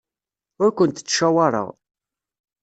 Ur kent-ttcawaṛeɣ.